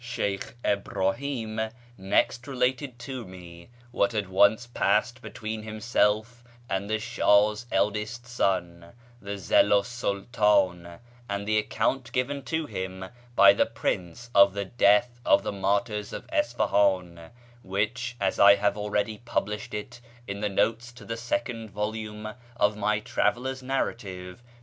Sheykh Ibnihim next related to me what had once passed between himself and the Shah's eldest son, the Zillu 's Sultan, and the account given to him by the prince of the death of the martyrs of Isfahan, which, as I have already published it in the notes to the second volume of my Traveller's Narrative (pp.